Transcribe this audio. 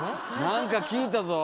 なんか聞いたぞ。